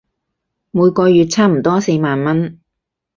每個月差唔多四萬文